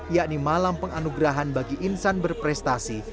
yakni malam penganugerahan bagi insan berprestasi